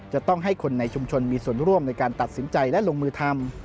จะต้องให้คนในชุมชนมีส่วนร่วมในการตัดสินใจและลงมือทำ